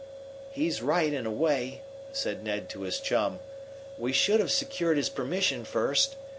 "He's right, in a way," said Ned to his chum. "We should have secured his permission first.